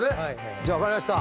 じゃあ分かりました。